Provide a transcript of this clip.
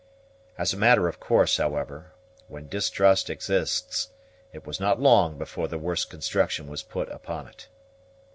As a matter of course, however, when distrust exists, it was not long before the worst construction was put upon it.